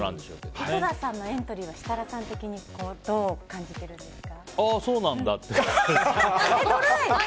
井戸田さんのエントリーは設楽さん的にどう感じてるんですか？